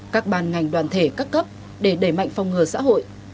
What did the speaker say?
các ban ngành đoàn thể các cấp để đẩy mạnh phòng ngừa xã hội